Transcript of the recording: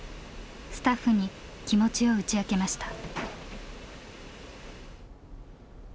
スタッフに気持ちを打ち明けました。